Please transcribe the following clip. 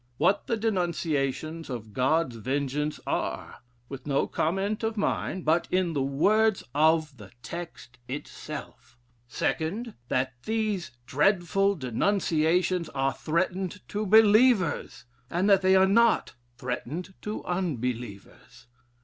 What the denunciations of God's vengeance are: with no comment of mine, but in the words of the text itself. 2d. That these dreadful denunciations are threatened to believers: and that they are not threatened to unbelievers.